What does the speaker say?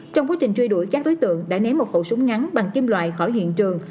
trong quá trình truy đuổi các đối tượng đã ném một khẩu súng ngắn bằng kim loại khỏi hiện trường